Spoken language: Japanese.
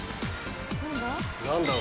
何だ？